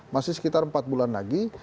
masih sekitar empat bulan lagi